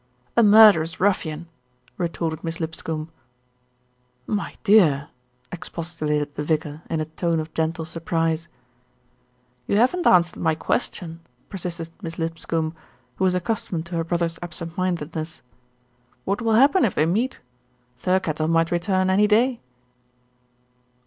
"A murderous ruffian," retorted Miss Lipscombe. "My dear!" expostulated the vicar in a tone of gentle surprise. "You haven't answered my question," persisted Miss Lipscombe, who was accustomed to her brother's ab sent mindedness. "What will happen if they meet? Thirkettle might return any day."